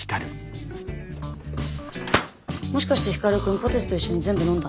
もしかして光くんポテチと一緒に全部飲んだ？